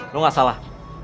lo gak salah